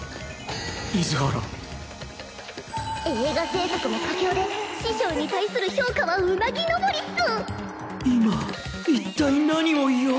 映画制作も佳境で師匠に対する評価はうなぎ上りっス！